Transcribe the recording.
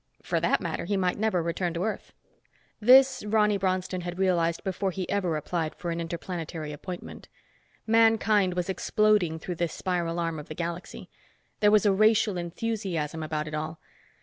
For that matter, he might never return to Earth. This Ronny Bronston had realized before he ever applied for an interplanetary appointment. Mankind was exploding through this spiral arm of the galaxy. There was a racial enthusiasm about it all.